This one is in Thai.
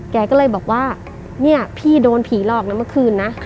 แกก็เลยบอกว่าเนี่ยพี่โดนผีหลอกนะเมื่อคืนนะ